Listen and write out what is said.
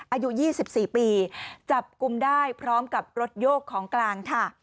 อายุ๒๔ปีจับกลุ่มได้พร้อมกับรถโยกของกลางค่ะ